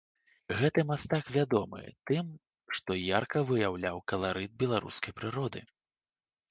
Гэты мастак вядомы тым, што ярка выяўляў каларыт беларускай прыроды.